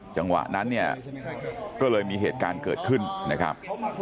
จังหวะนั้นเนี่ยก็เลยมีเหตุการณ์เกิดขึ้นนะครับ